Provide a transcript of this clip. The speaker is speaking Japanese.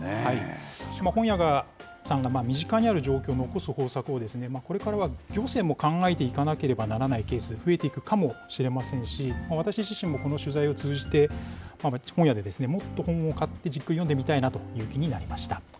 本屋さんが身近にある状況を残す方策を、これからは行政も考えていかなければいけないことも増えていくかもしれませんし、私自身も、この取材を通じて、本屋でもっと本を買って、じっくり読んでみたいなという気になりました。